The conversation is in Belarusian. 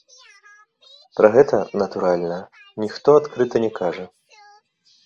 Пра гэта, натуральна, ніхто адкрыта не кажа.